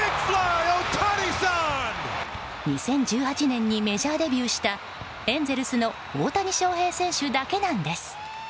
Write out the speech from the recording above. ２０１８年にメジャーデビューしたエンゼルスの大谷翔平選手だけなんです。